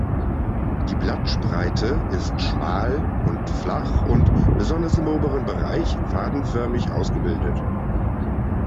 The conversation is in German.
Die Blattspreite ist schmal und flach und besonders im oberen Bereich fadenförmig ausgebildet.